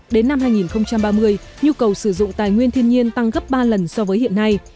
đến năm hai nghìn ba mươi nhu cầu sử dụng tài nguyên thiên nhiên tăng gấp ba lần so với hiện nay